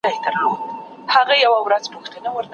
ماشوم د مور له حضور ارام وي.